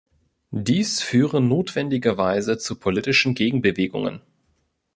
Dies führe notwendigerweise zu politischen Gegenbewegungen.